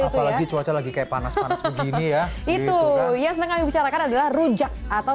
itu lagi cuaca lagi kayak panas panas begini ya itu yang sedang dibicarakan adalah rujak atau